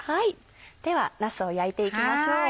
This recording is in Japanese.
ではなすを焼いていきましょう。